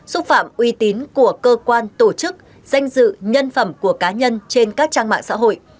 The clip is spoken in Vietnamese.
xúc phạm uy tín của cơ quan tổ chức danh dự nhân phẩm của cá nhân trên các trang mạng xã hội